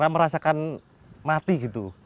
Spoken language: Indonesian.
merasakan mati gitu